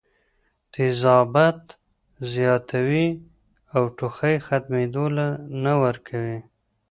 تېزابيت زياتوي او ټوخی ختمېدو له نۀ ورکوي